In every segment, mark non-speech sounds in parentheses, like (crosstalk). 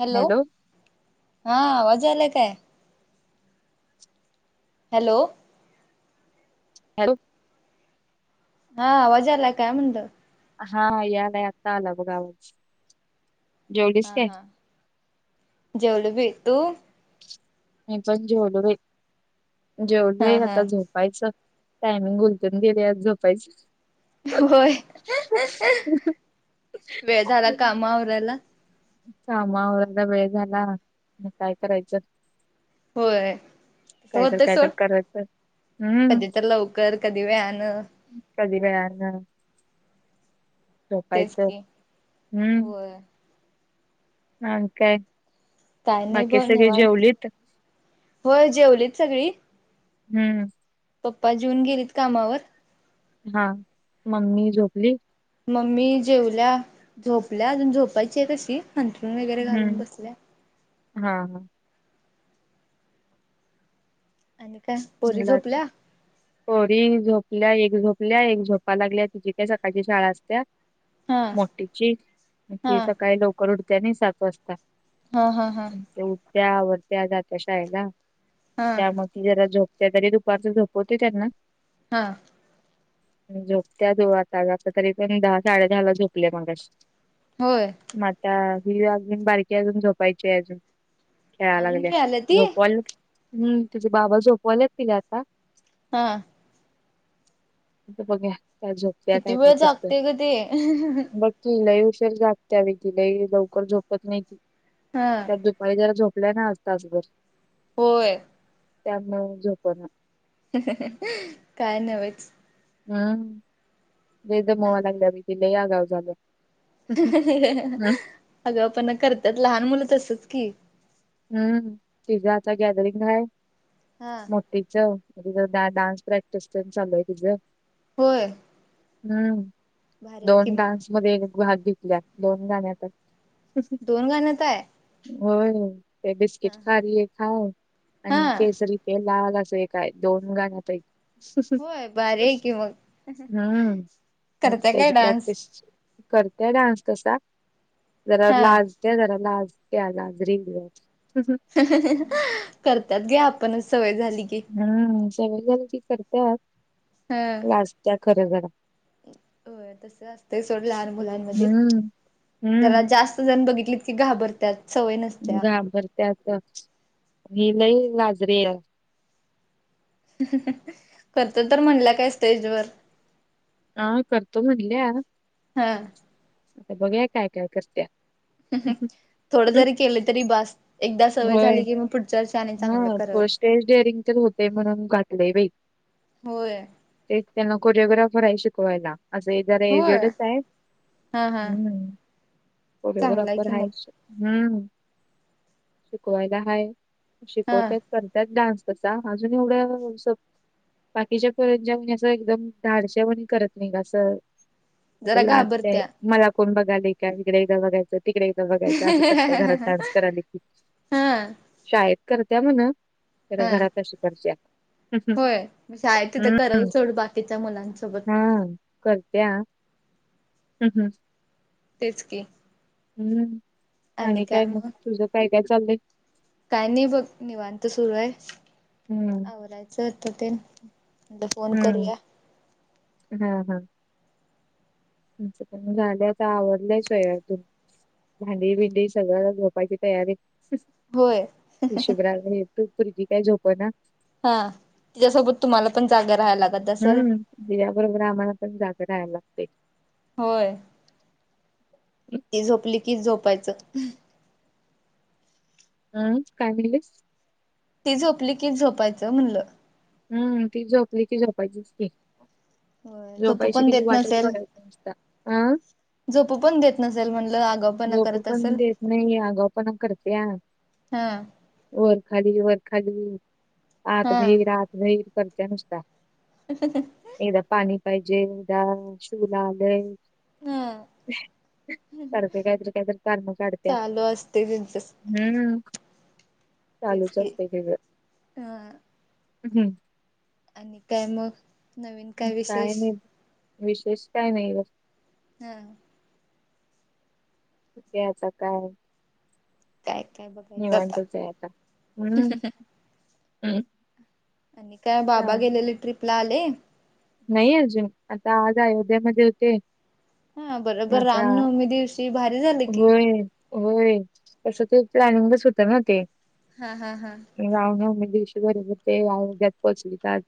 Hello. हा आवाज यायलाय काय? हॅलो. हॅलो. हा आवाज यायलाय काय म्हणलं? हा यालाय आता आला बघ आवाज. जेवलीस हा काय हा जेवले बी. तू? (unintelligible) जेवलो बाई. हा जेवले हा आता झोप - झोपायचं, टायमिंग उलटून गेलेय आज झोपायचं. होय. वेळ झाला काम आवरायला. कामं आवरायला वेळ झाला. मग काय करायचं? होय. ते तर कायतर होतेच ओ कायतर करायचं हम्म कधी तर लवकर कधी वेळानं. कधी वेळानं, तेच झोपायचं. की हम्म. होय अणि काय? काय नाही बाकी ब सगळे निवांत. जेवलीत होय जेवलीत सगळी. हम्म. पप्पा जेऊन गेलेत कामावर. हा. मम्मी झोपली? मम्मी जेवल्या, झोपल्या, अजून झोपायची आहे तशी अंथरून वगैरे घालून हम्म बसल्या. हा हा. आनी काय? पोरी झोपल्या (unintelligible) पोरी झोपल्या, एक झोपलीया, एक झोपायला लागलीया, तिची काय सकाळची शाळा असतेया. हा मोठीची. हा ती सकाळी लवकर उठते आणि सात वाजता. हा हा हा. ती उठत्या, आवरतेया जाते शाळेला हा त्या मूळ ती जरा झोप- त्या तरी दुपारचं झोपवते त्यांना. हा. झोपते (unintelligible) कधीतरी दहा-साडेदहाला झोपल्या मघाशी. होय. मग आता ही अजून बारकी अजून झोपायची अजून. खेळायला अजून लागलिया खेळाल्या ती झोपवाल. हं, तिचे बाबा झोपवालात तिला आता. हा बघूया का झोप, किती वेळ जागते ग ते? ती लई उशर जागते अगं ती, लई लवकर झोपत नाही ती, हा ''मगाशी जरा झोपल्याय ना तासभर, '' होय, त्यांना झोप ना, काय नव्हच. ''हं, ते लय दमवायला लागल्या लई आगाऊ झाल्या. '' हं हं हं हं, आगाऊपणा करतात लहान मुलं तसच की, हं, तिझ आता गॅलरिंग आहे हा मो- तिच, तिचं डान्स प्रॅक्टिस तर चालू आहे तिचं, होय ''हं, भारी आहे की दोन मग. डान्स मध्ये भाग घेतल्या दोन गाण्या तर, '' दोन गाण्यात आहे. होय, ते बिस्किट हा हा. खारी खाऊ आणि हा केसरी, ते लाल असं हे काय दोन गाण्या. होय भारी आहे की मग हं मग करत्या काय त्याची डान्स. प्रॅक्टिस, करते डान्स तसा पण जरा हा लाज- ते जरा लाजत्या, लाजरी जरा, हं हं करतात गं आपणच सवय झाली की, ''हं, सगळ गलदी करत्यात हा. लाजत्या खरं जरा. '' होय, तस असतयं सोड लहान मुलांमध्ये हम्म, जरा हम्म. जास्त- 'जास्त जण बघितली की घाबरत्यात. '' ''घाबरत्यात, ही लई लाजरीे आहे. '' करतो तर म्हणलं काय स्टेजवर, हा, करतो म्हणल्या. हं आता बघूया काय काय करत्या? ''थोडं जरी केलं तरी बस, एकदा सवय होय. झाली की मग पुढच्या वर्ष आणि चांगलं कराल. हा '' ''स्टेज डेअरिंग तर होते, म्हणून घातलंय बाई, '' होय, ''ते त्यांना कोरिओग्राफर आहे शिकवायला. '' ''असं जरा होय एजडच आहेत, हा हा हं चांगला की कोरिओग्राफर आहे. मग '' ''हं, शिकवायला आहे हा शिकवतात. '' करत्यात डान्स तसा, अजून एवढं स- बाकीच्या पोर (unintelligible) एकदम धाडशी, ''जेवण करत नाही गं अस, अस जरा लाजते घाबरत्या मला कोण बघायला का? इकडे बघाय, '' ''तिकडे एकदा बघायचं असं, करतय घरात डान्स कराला की हा शाळेत करत्या म्हणा. '' त्याला घरात अशी करज्यात. मी शाळेत तिथं करायल सोड बाय- हां करत्या हं हं, तेच की, हम्म आणि काय मग तुझं काय काय चाललंय. काय नाही बघ निवांत सुरू आहे. हम्म. बोलायचं होतं तेन फोन हम्म करूया. हा हा. (unintelligible) भांडी बिडी सगळं झोपायची तयारी होय शुभ्रा हे तू पोरगी काय झोपना हा तिच्यासोबत तुम्हाला पण जाग राहायला लागत. असेल हम्म, तिच्याबरोबर आम्हाला पण जाग राहाय लागते. होय. ती झोपली की झोपायचं. हम्म, काय म्हणलीस? ती झोपली की झोपायचं म्हणलं. हम्म, ती झोपली ती झोपायचच की होय झोपू झोपायची पण तिची देत वाटच नसेल बघायची नुसत हं झोपू पण देत नसेल म्हणलं आगावपणा झोपू करत पण असेल. देत नाही आगावपणा पण करतेया. हा. वरखाली वरखाली आत हा बहीर आत बहीर करत्या नुसता (inaudible) एकदा पाणी पाहिजे एकदा शू ला आलंय. हा सारखं काय तर काय तर कारण काढत्या. चालू असते त्यांचच हम्म. तेच चालूच की असते हा हम्म. आणि काय मग नवीन काय विशेष नाही विशेष काय नाही ग हा. त्याचा काय? काय काय मग निवांतच ये आता हम्म हम्म आणि काय बाबा चालतंय गेलेले ट्रीपला, आले? नाही अजून आता आज अयोध्या मध्ये होते. हा बरोबर आता रामनवमी दिवशी भारी झाले की होय, होय, तसं ते प्लॅनिंगच होतं ना ते हा हा हा. रामनवमी दिवशी बरोबर ते अयोध्यात पोहचली तर आज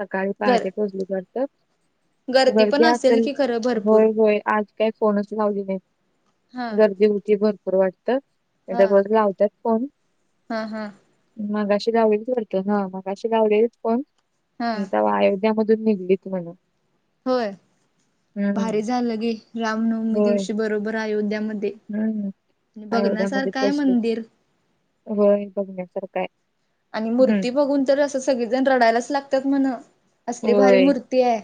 सकाळी गर पहाटे पोहोचली. वाटतात. पण गर्दी असेल की खरं भरपूर होय होय, आज काय फोनच लावली नाहीत. हा गर्दी होती भरपूर वाटतं नाहीतर हा रोज लावत्यात फोन हा हा. मगाशी लावलेलीत वाटत हा मगाशी लावलेलीत फोन हा तेव्हा अयोध्यामध्ये तून निघलीत म्हणून होय, भारी झालं घे रामनवमी होय. दिवशी बरोबर अयोध्यामध्ये हम्म. अयोध्यामध्ये बघण्यासारखं आहे पोहोचलीत. मंदिर होय बघण्यासारखं आहे. आणि हम्म. मूर्ती बघून तर असं सगळीजण रडायलाच लागत्यात म्हणं असली भारी होय, मूर्ती आहे.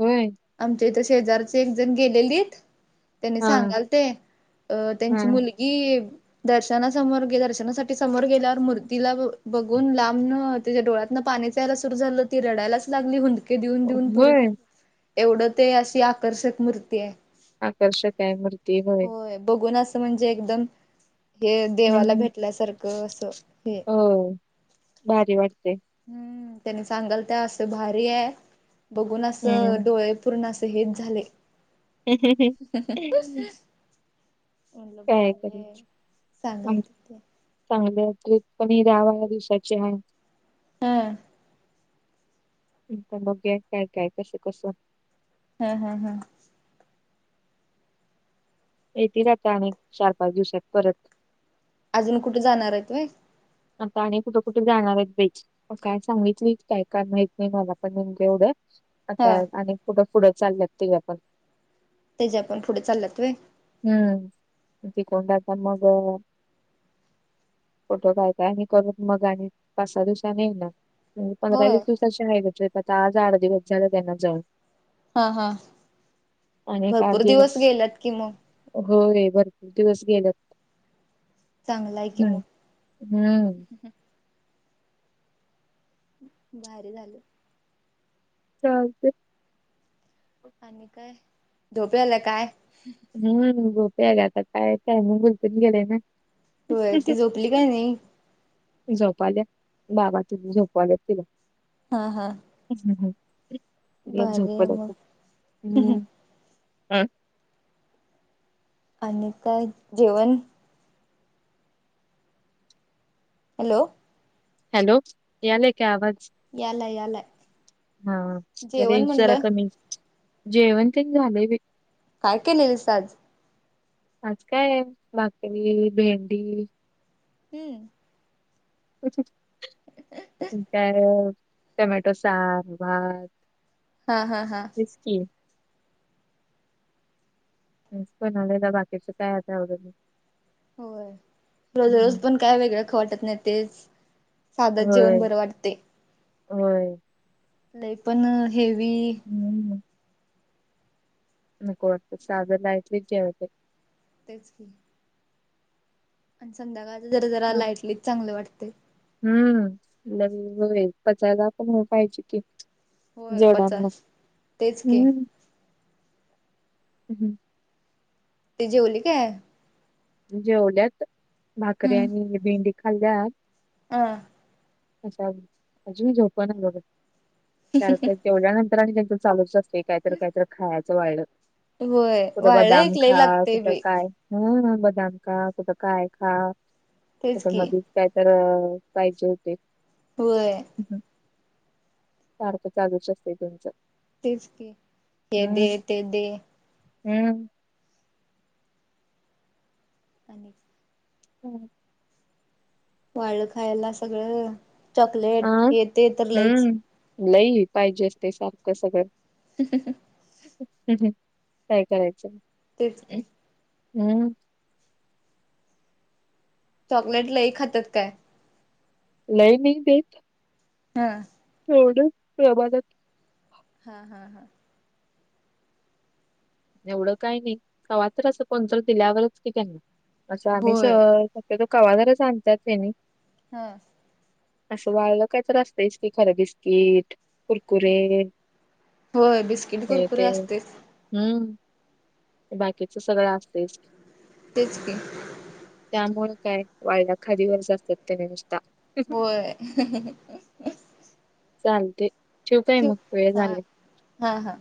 होय. आमच्या इथं शेजारचे एक जण गेलेलीत त्यांनी हा, सांगालते अ हा. त्यांची मुल गी दर्शनासमोर गे दर्शनासाठी समोर गेल्यावर मूर्तीला ब बघून लांबन तिच्या डोळ्यातन पाणीच यायला सुरु झालं ती रडायलाच लागली हुंद दके देऊन देऊन पूर्ण होय. एवढं ते अशी आकर्षक मूर्ती आहे. आकर्षक आहे मु होय बघून असं म्हणजे एकदम हे देवाला हम्म भेटल्यासारखं असं. हे हो भारी वाटते. हम्म त्यानी सांगालत् असं भारी आहे बघून असं हम्म. डोळे पूर्ण असे हेच झाले. म्हटलं काय भारी आहे करायच सांगाल चांगलं तिथे चांगलं आहे. ट्रीप कणी दहा बारा दिवसांची हाय. हं इथ बघूया काय काय कसं कसं. हं हं हंं.. येतील आता आणि चार पाच दिवसात परत. अजून कुठ जाणार आहेत व्हयं आता आणि कुठं कुठे जाणार आहेत बाई काय सांगितली काय काय माहित नाही मला पण नेमके एवढं. आता हा आणि कुठं पुढं चालल्यात ते आपण. तेच्या पण पुढे चालल्यात व्हय. हम्म तिकडून आता मग कुठं जाय आम्ही करून मग आणि पाच सहा दिवसाने येणार तुम्ही पंधरा होय वीस दिवसा कशी हाय गं ट्रिप आता आज आठ दिवस झाले त्यांना जाऊन. हा हा आणि एक आठ भरपूर दिवस गेल्यात कि मग. होय भरपूर दिवस गेल्यात. चांगल आहे कि मग. हम्म भारी झालं. चालतय. आणि काय झोप यायल्या काय. हम झोप यायल्या आता काय टायमिंग उलटून गेलंय ना. होय ती झोपली काय (inaudible) नाही झोप आल्या बाबा तुम्ही झोपा वर तीघं. हा हा. भारी आहे मग (unintelligible) आणि काय जेवण. हॅलो हॅलो यायलाय की आवाज. यालाय यालाय हा जेवण रेंज जरा म्हणलं कमी जेवण तेन झालय बाई. काय केलेलीस आज आज काय आहे भाकरी भेंडी हम्म आणि काय टमॅटो साग भात हा हा हा, तेच की, पण आले काय बाकीच काय आता आवरलं, होय रोज रोज पण काय वेगळं ख वाटत नाही तेच! साधच होय जेवण बरं वाटते? होय, लई पण हेवी, हम्म नको वाटत साध काहीतर जेवायच? तेच की, आणि संध्याकाळ जरा जरा हा. लाईटलीच चांगलं वाटत. हम्म लग होय पचायाला पण पाहीजे की? होय जेवण पचा मग तेच की हम्म, हम् हम, ती जेवली काय. जेवल्यात भाकरी आणि भेंडी खाल्ल्यात, हं, अच्छा अजूनी झोपण आहे बघ कारण का तेवढ्या नंतर आणि त्यांच चालूच अस. काहीतर काहीतर खायचं वाळच होय कुठं वाळलं बदाम एक लय खा लागतय कुठं बाई काय खा, हम बदाम खा कुठ काय खा तेच कुठ की मग! कायतर पाहिजे होती. होय, सारखं चालूच असतय तुमचं. तेच की हे दे हम्म ते दे, हम्म, आणि, हम्, वाळ खायला सगळं चॉकलेट हे ते तर लईच! लय पाहिजे असतय सारखं सगळं? ह ह हं, काय करायचं, तेच की, हम्म, चॉकलेट लई खातात काय! लय नाही देेत, हा, थोडेच प्रभादात, हा हा हां, एवढं काही नाही कवा तर असच कोणत दिल्यावरच कि त्यांना, अच्छा आणि श्य होय शक्यतो कवा तरीच आणतात त्यांनी! हा, असं वाळल कायतरी असतंएच कि खरं बिस्किट. कुरकुर होय बिस्किट हे कुरकुरे ते असतेच हम्म, बाकीच सगळं असतेच, तेच की, त्यामुळे काय वाळल्या खादीवर असतात त्यानी नुसता, होय चालतंय ठेऊ हा, हा, हा, हा